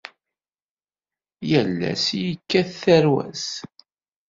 Yal ass yekkat tarwa-s.